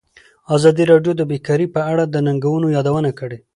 ازادي راډیو د بیکاري په اړه د ننګونو یادونه کړې.